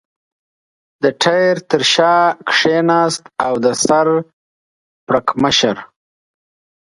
د ټایر تر شا کېناست او د سر پړکمشر.